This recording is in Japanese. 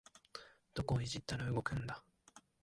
どこをいじったら動くんだ